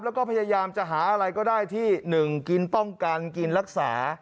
แล้วก็พยายามจะหาอะไรก็ได้ที่๑กินป้องกันกินรักษา